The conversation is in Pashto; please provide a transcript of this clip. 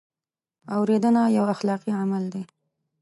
اورېدنه یو اخلاقي عمل دی.